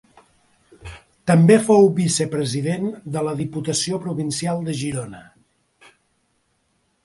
També fou vicepresident de la Diputació Provincial de Girona.